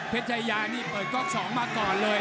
ชายานี่เปิดก๊อก๒มาก่อนเลย